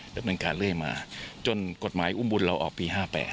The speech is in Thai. ดำเนินการเรื่อยมาจนกฎหมายอุ้มบุญเราออกปี๕๘